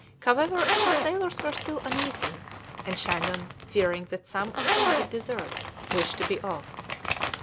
However, the sailors were still uneasy, and Shandon, fearing that some of them would desert, wished to be off.